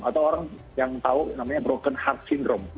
atau orang yang tahu namanya broken heart syndrome